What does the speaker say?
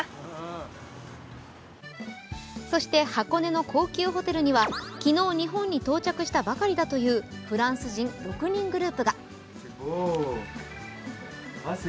そして箱根の高級ホテルには昨日日本に到着したばかりだというフランス人６人グループが。